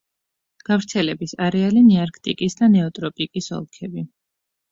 გავრცელების არეალი ნეარქტიკის და ნეოტროპიკის ოლქები.